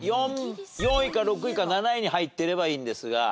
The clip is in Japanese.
４位か６位か７位に入ってればいいんですが。